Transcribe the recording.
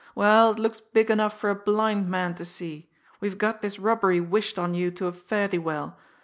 "Well, it looks big enough for a blind man to see! We've got this robbery wished on you to a fare thee well!